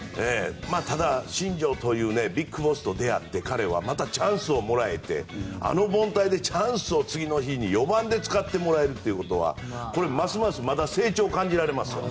ただ、新庄というＢＩＧＢＯＳＳと出会って彼はまたチャンスをもらえてあの凡退でチャンスを次の日に４番で使ってもらえるということはこれはますますまた成長を感じられます。